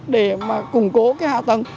để mà củng cố cái hạ tầng